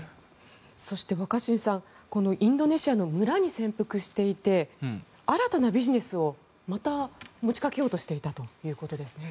そして、若新さんインドネシアの村に潜伏していて新たなビジネスをまた持ちかけようとしていたということですね。